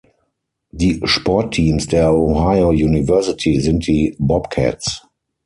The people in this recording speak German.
Die Sportteams der Ohio University sind die "Bobcats".